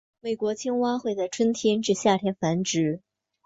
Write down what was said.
美国青蛙会在春天至夏天繁殖。